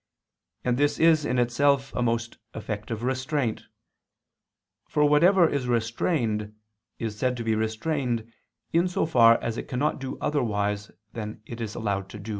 And this is in itself a most effective restraint; for whatever is restrained, is said to be restrained in so far as it cannot do otherwise than it is allowed to.